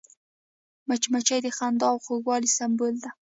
مچمچۍ د خندا او خوږوالي سمبول ده